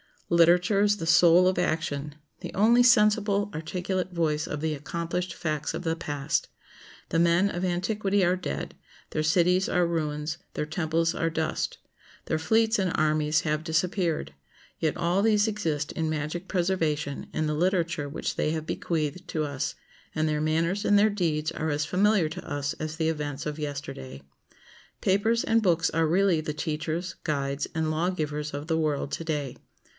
Literature is the soul of action, the only sensible articulate voice of the accomplished facts of the past. The men of antiquity are dead; their cities are ruins; their temples are dust; their fleets and armies have disappeared; yet all these exist in magic preservation in the literature which they have bequeathed to us, and their manners and their deeds are as familiar to us as the events of yesterday. Papers and books are really the teachers, guides, and lawgivers of the world to day.